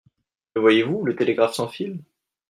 Le voyez-vous, le télégraphe sans fil ?